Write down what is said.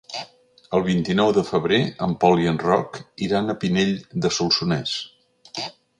El vint-i-nou de febrer en Pol i en Roc iran a Pinell de Solsonès.